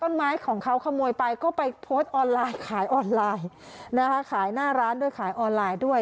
ต้นไม้ของเขาขโมยไปก็ไปโพสต์ออนไลน์ขายออนไลน์นะคะขายหน้าร้านด้วยขายออนไลน์ด้วย